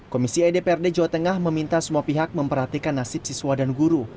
komisi edprd jawa tengah meminta semua pihak memperhatikan nasib siswa dan guru